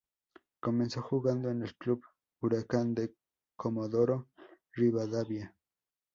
Comenzó jugando en el club Huracán de Comodoro Rivadavia.